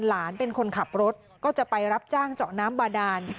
หลานเป็นคนขับรถก็จะไปรับจ้างเจาะน้ำบาดาน